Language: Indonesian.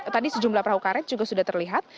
tadi sejumlah perahu karet juga sudah terlihat